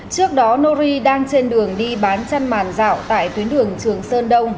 trước đó nori đang trên đường đi bán chăn màn dạo tại tuyến đường trường sơn đông